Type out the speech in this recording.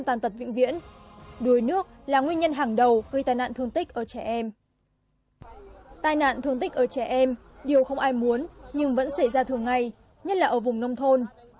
tai nạn thương tích ở trẻ em điều không ai muốn nhưng vẫn xảy ra thường ngày nhất là ở vùng nông thôn